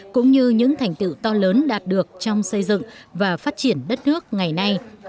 cũng như những thành tựu to lớn đạt được trong xây dựng và phát triển đất nước ngày nay